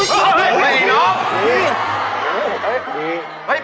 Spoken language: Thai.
เห้ยอย่างนี้น้อง